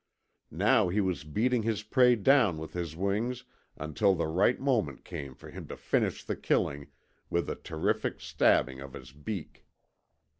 Now he was beating his prey down with his wings until the right moment came for him to finish the killing with the terrific stabbing of his beak.